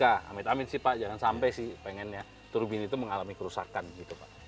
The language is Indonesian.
amin amin sih pak jangan sampai sih pengennya turbin itu mengalami kerusakan gitu pak